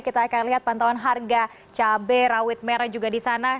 kita akan lihat pantauan harga cabai rawit merah juga di sana